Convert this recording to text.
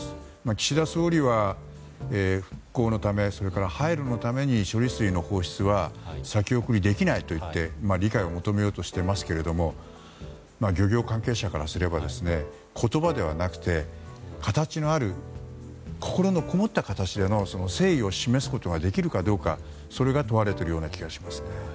岸田総理は復興のためそれから廃炉のために処理水の放出は先送りできないといって理解を求めようとしていますが漁業関係者からすれば言葉ではなくて形のある心のこもった形での誠意を示すことができるかどうかそれが問われているような気がしますね。